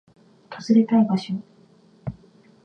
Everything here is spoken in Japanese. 訪れたい場所